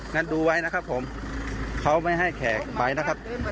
งั้นดูไว้นะครับผมเขาไม่ให้แขกไปนะครับ